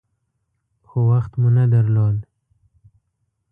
خو وخت مو نه درلود .